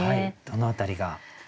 どの辺りが？